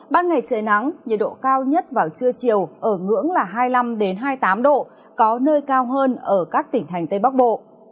ban ngày trời nắng nhiệt độ cao nhất vào trưa chiều ở ngưỡng là hai mươi năm hai mươi tám độ có nơi cao hơn ở các tỉnh thành tây bắc bộ